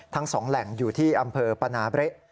ทั้ง๒แหล่งอยู่ที่อำเภอปนาเละ